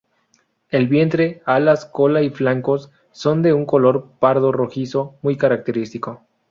El vientre, alas, cola y flancos son de un color pardo rojizo muy característico.